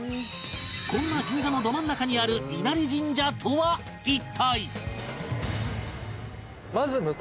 こんな銀座のど真ん中にある稲荷神社とは一体？